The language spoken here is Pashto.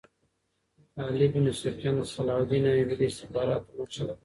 علي بن سفیان د صلاح الدین ایوبي د استخباراتو مشر وو.